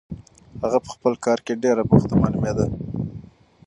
هغه په خپل کار کې ډېره بوخته معلومېدله.